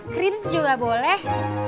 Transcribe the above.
krim juga boleh